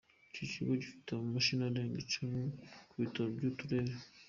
Iki kigo gifite amashami arenga icumi ku bitaro by’uturere.